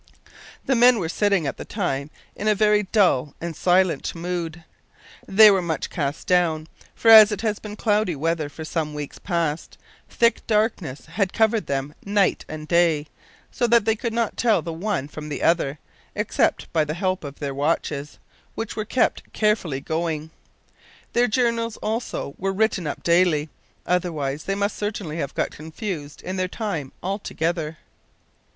The men were sitting at the time in a very dull and silent mood. They were much cast down, for as it had been cloudy weather for some weeks past, thick darkness had covered them night and day, so that they could not tell the one from the other, except by the help of their watches, which were kept carefully going. Their journals, also, were written up daily, otherwise they must certainly have got confused in their time altogether!